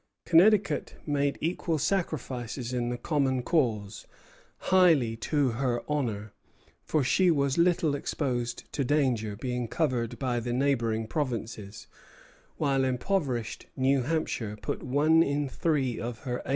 Connecticut made equal sacrifices in the common cause, highly to her honor, for she was little exposed to danger, being covered by the neighboring provinces; while impoverished New Hampshire put one in three of her able bodied men into the field.